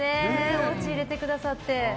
おうち入れてくださって。